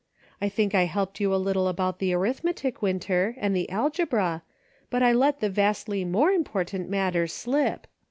I think I helped you a little about the arithmetic. Winter, and the algebra, but I let the vastly more important matter " slip."